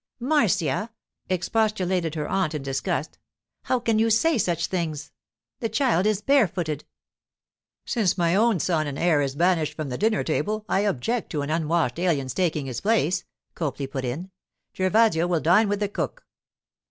'Marcia!' expostulated her aunt in disgust. 'How can you say such things? The child is barefooted.' 'Since my own son and heir is banished from the dinner table, I object to an unwashed alien's taking his place,' Copley put in. 'Gervasio will dine with the cook.